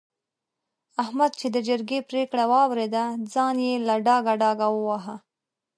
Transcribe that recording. احمد چې د جرګې پرېکړه واورېده؛ ځان يې له ډاګه ډاګه وواهه.